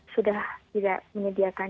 sudah tidak menyediakan